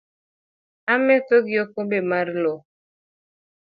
Ametho gi okombe mar loo